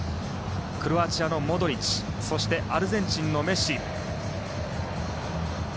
クロアチアのモドリッチそしてアルゼンチンのメッシ。